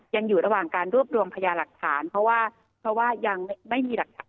ยังอยู่ระหว่างการรวบรวมพยาหลักฐานเพราะว่าเพราะว่ายังไม่มีหลักฐาน